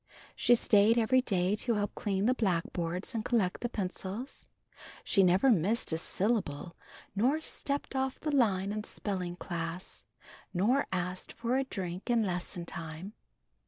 She stayed every day to help clean the blackboards and collect the pencils. She never missed a syllable nor stepped off the line in spelling class, nor asked for a drink in lesson time.